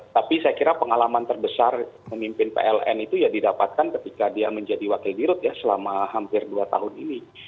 tapi saya kira pengalaman terbesar memimpin pln itu ya didapatkan ketika dia menjadi wakil dirut ya selama hampir dua tahun ini